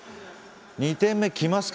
２点目きますか？